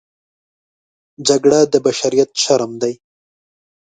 جګړه د بشریت شرم دی